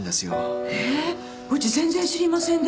えうち全然知りませんでした。